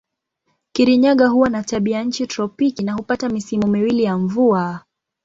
Kirinyaga huwa na tabianchi tropiki na hupata misimu miwili ya mvua.